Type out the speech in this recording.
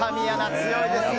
強いですね。